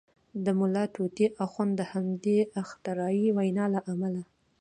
د ملا طوطي اخند د همدغې اختراعي وینا له امله.